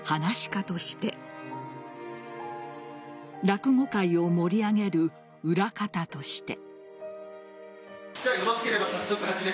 家として落語界を盛り上げる裏方として。